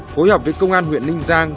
phối hợp với công an huyện ninh giang